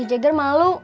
b jagger malu